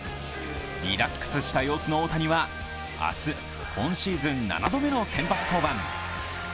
リラックスした様子の大谷は明日、今シーズン７度目の先発登板。